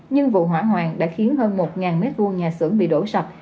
nhưng vụ hỏa hoàng đã khiến hơn một mét vuông nhà sưởng bị đổ sập